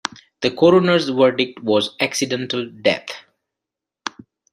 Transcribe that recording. The coroner's verdict was accidental death.